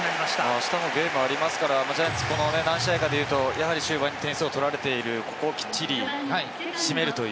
あしたもゲームがありますから、ジャイアンツここ何試合かでいうと、ゲーム終盤に点を取られている、ここをきっちり締める。